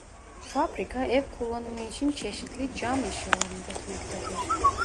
Fabrika ev kullanımı için çeşitli cam eşyalar üretmektedir.